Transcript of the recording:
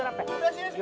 udah sini semua